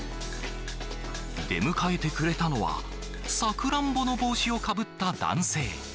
出迎えてくれたのは、さくらんぼの帽子をかぶった男性。